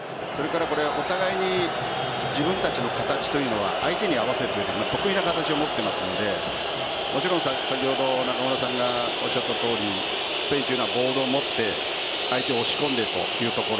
お互いに自分たちの形というのは相手に合わせるというよりも得意な形を持っていますので先ほど中村さんがおっしゃったとおりスペインというのはボールを持って相手を押し込んでというところ。